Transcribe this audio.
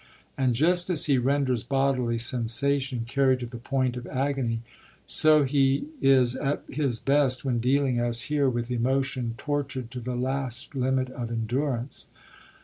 And just as he renders bodily sensation carried to the point of agony, so he is at his best when dealing, as here, with emotion tortured to the last limit of endurance.